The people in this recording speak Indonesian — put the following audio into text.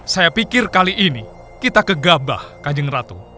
saya pikir kali ini kita kegabah kanjeng ratu